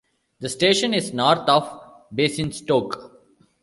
The station is north of Basingstoke.